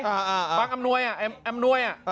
บังอำนวยอ่ะอำนวยอ่ะ